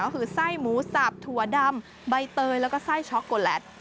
ก็คือไส้หมูสับถั่วดำใบเตยแล้วก็ไส้ช็อกโกแลต